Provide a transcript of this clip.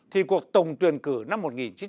thì cuộc tổng tuyển cử năm một nghìn chín trăm bảy mươi